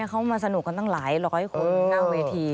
เขามาสนุกกันตั้งหลายร้อยคนหน้าเวที